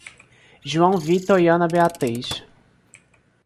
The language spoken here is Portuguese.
João Vitor e Ana Beatriz